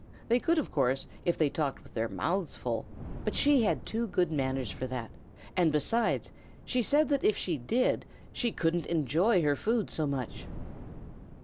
They could, of course, if they talked with their mouths full, but she had too good manners for that, and, besides, she said that if she did, she couldn't enjoy her food so much.